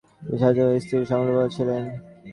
তিনি শান্তিপ্রিয়তা ও স্থির সংকল্পবদ্ধ ছিলেন।